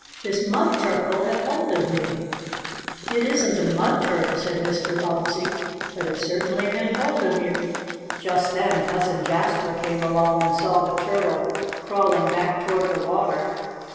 This mud turkle had hold of me." "It isn't a mud turtle," said Mr. Bobbsey. "But it certainly had hold of you." Just then Cousin Jasper came along and saw the turtle crawling back toward the water.